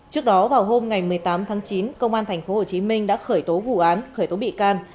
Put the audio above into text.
trước đó vào hôm ngày một mươi tám tháng chín công an tp hcm đã khởi tố vụ án khởi tố bị can